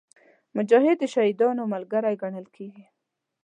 مجاهد د شهیدانو ملګری ګڼل کېږي.